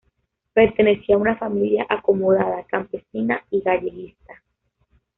Pertenecía a una familia acomodada campesina y galleguista.